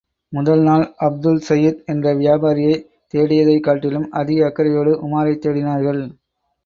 முதல்நாள் அப்துல்சையித் என்ற வியாபாரியைத் தேடியதைக் காட்டிலும் அதிக அக்கறையோடு உமாரைத் தேடினார்கள்.